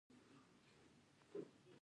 ایا اوبه څښئ؟